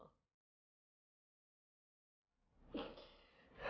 hamba tidak bisa